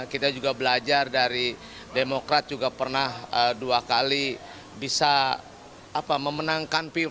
kita juga belajar dari demokrat juga pernah dua kali bisa memenangkan